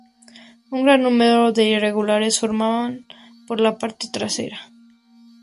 Un gran número de irregulares formaba por la parte trasera.